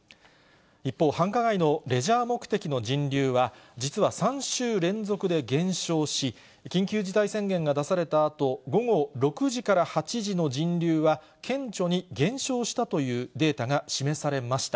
一方、繁華街のレジャー目的の人流は、実は３週連続で減少し、緊急事態宣言が出されたあと、午後６時から８時の人流は、顕著に減少したというデータが示されました。